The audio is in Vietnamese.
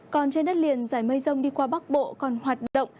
còn trên đất liền giải mây rông đi qua bắc bộ còn hoạt động